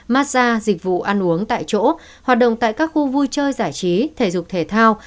massage dịch vụ ăn uống tại chỗ hoạt động tại các khu vui chơi giải trí thể dục thể thao